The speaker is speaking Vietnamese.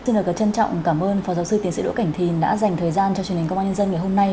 xin được trân trọng cảm ơn phó giáo sư tiến sĩ đỗ cảnh thìn đã dành thời gian cho truyền hình công an nhân dân ngày hôm nay